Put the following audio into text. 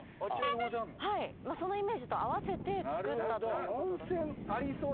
はいそのイメージと合わせて作ったという。